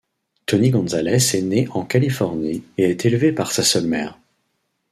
Tony Gonzalez est né en Californie et est élevé par sa seule mère.